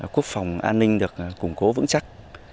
quốc phòng an ninh được củng cố vững chắc